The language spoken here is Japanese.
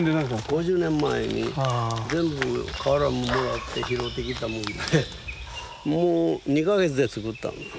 ５０年前に全部瓦ももらって拾ってきたもんでもう２か月で造ったんです。